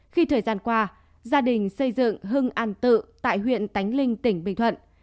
khi thời gian qua gia đình xây dựng hưng an tự tại huyện tánh linh tỉnh bình thuận